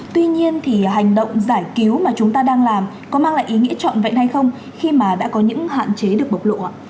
tuy nhiên thì hành động giải cứu mà chúng ta đang làm có mang lại ý nghĩa trọn vẹn hay không khi mà đã có những hạn chế được bộc lộ